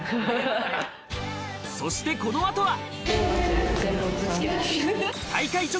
そしてこの後は。